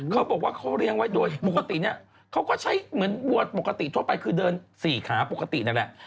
เขาบอกว่าเขาเลี้ยงไว้โดยปกติเนี่ยเขาก็ใช้เหมือนวัวปกติทั่วไปคือเดินสี่ขาปกตินั่นแหละ